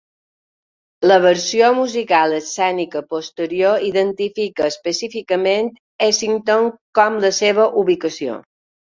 La versió musical escènica posterior identifica específicament Easington com la seva ubicació.